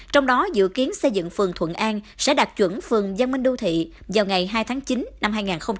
trong đó dự kiến xây dựng phường thuận an sẽ đạt chuẩn phường gian minh đô thị vào ngày hai tháng chín năm hai nghìn một mươi tám